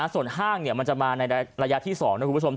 ส่วนห้างมันจะมาในระยะที่๒นะคุณผู้ชม